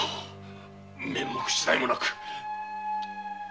面目次第もなく。